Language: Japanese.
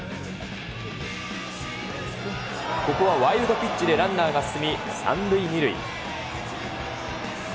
ここはワイルドピッチでランナーが進み、３塁２塁。